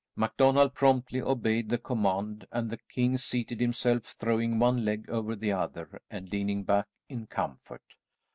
MacDonald promptly obeyed the command, and the king seated himself, throwing one leg over the other and leaning back in comfort.